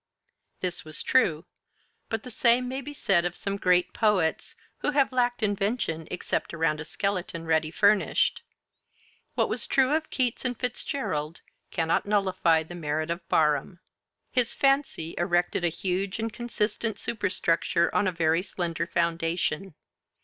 This was true; but the same may be said of some great poets, who have lacked invention except around a skeleton ready furnished. What was true of Keats and Fitzgerald cannot nullify the merit of Barham. His fancy erected a huge and consistent superstructure on a very slender foundation.